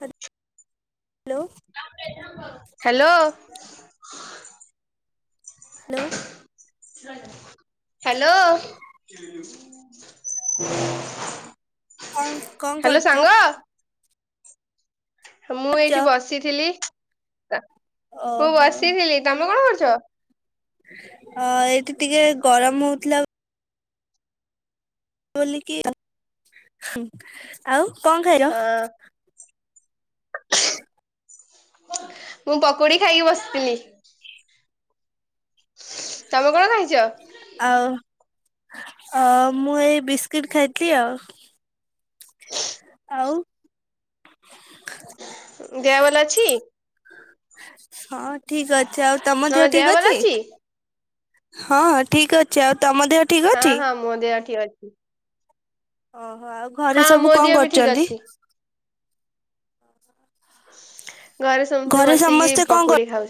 Hello ଲୋ। Hello. Hello. Hello. [inaudible] କଣ କଣ କରୁଛ? ମୁଁ ଏଇଠି ବସିଥିଲି। ମୁଁ ଓହୋ ବସିଥିଲି, ତମେ କଣ କରୁଛ? ଅ ଏଇଠି ଟିକେ ଗରମ ହଉଥିଲା ଆଉ ବୁଲିକି ଆଉ। ହୁ୍ଁ ଆଉ କଣ ଖାଇଲ? ହଁ [inaudible] ମୁଁ ପକୁଡ଼ି ଖାଇକି ବସିଥିଲି। ସ୍ରୃ୍ ତମେ କଣ ଖାଇଛ? ଆଉ ଆଉ ମୁଁ ଏଇ ବିସ୍କୁିଟ୍ ଖାଇଥିଲି ଆଉ। ଆଉ ଦେଅ ଭଲ ଅଛି? ହଁ ଠିକ ଅଛି ଆଉ, ତମ ଦେହ ଠିକ ଅଛି? ହଁ ଠିକ ଅଛି। ଆଉ ତମ ଦେହ ଠିକ ହଁ ଅଛି? ହଁ ମୋ ଦେହ ଠିକ ଅଛି। ଓହୋ ଆଉ ଘରେ ହଁ ମୋ ସବୁ ଦେହ କଣ ବି ଠିକ କରୁଛନ୍ତି? ଅଛି [inaudible] ଘରେ ସମସ୍ତେ ବସିକି ସମସ୍ତେ କଣ କରୁ ପକୁଡି ଖାଉଛୁ।